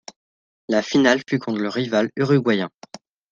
La finale fut contre le rival uruguayen.